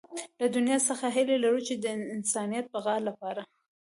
له دنيا څخه هيله لرو چې د انسانيت بقا لپاره.